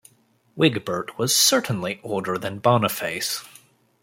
Wigbert was certainly older than Boniface.